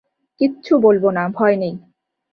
কিচ্ছু বলব না, ভয় নেই।